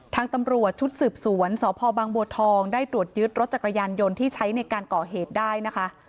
ทางตำรวจชุดสืบสวนสพบางบัวทองได้ตรวจยึดรถจักรยานยนต์ที่ใช้ในการก่อเหตุได้นะคะ